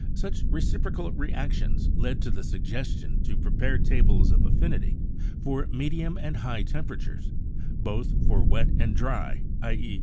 Such reciprocal reactions led to the suggestion to prepare tables of affinity for medium and high temperatures, both for wet and dry (i.e.